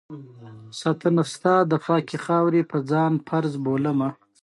باچا ته یې هغه د ججې خط ورکړ.